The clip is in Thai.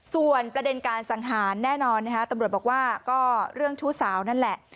ส่วนประเด็นการสังหารแน่นอนตำรวจบอกว่าก็เรื่องชู้สาวนั่นแหละ